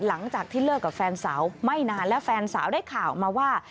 หลังจากที่เลิกกับแฟนสาวไม่นานและแฟนสาวได้ข่าวมาว่า